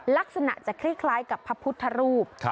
ลักษณะจะคล้ายกับพระพุทธรูป